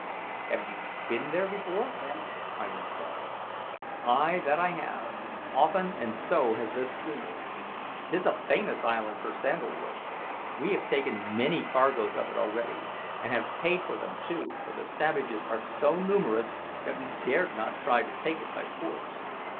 "Have you been there before, then?" I inquired. "Ay, that I have, often, and so has this schooner. 'Tis a famous island for sandal wood. We have taken many cargoes of it already and have paid for them, too, for the savages are so numerous that we dared not try to take it by force.